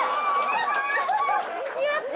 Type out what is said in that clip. やった！